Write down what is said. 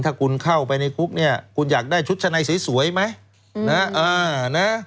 ถ้าคุณเข้าไปในคุกเนี่ยคุณอยากได้ชุดชะในสวยไหม